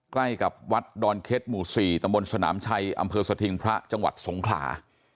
ใกล้กับวัดดอนเค็ดหมู่๔ตำบลสนามชัยอำเภอสถิงพระจังหวัดสงขลา